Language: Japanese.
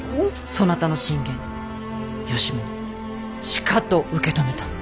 そなたの進言吉宗しかと受け止めた。